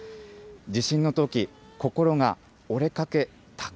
地震のとき、心が折れかけた。